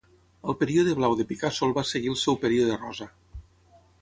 Al període blau de Picasso el va seguir el seu període rosa.